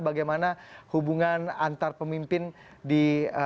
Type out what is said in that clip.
bagaimana hubungan antar pemimpin di